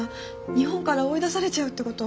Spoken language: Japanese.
日本から追い出されちゃうってこと？